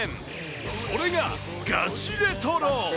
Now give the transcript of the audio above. それがガチレトロ。